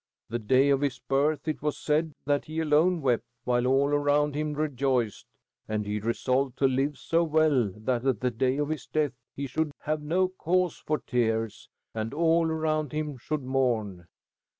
The day of his birth it was said that he alone wept, while all around him rejoiced; and he resolved to live so well that at the day of his death he should have no cause for tears, and all around him should mourn.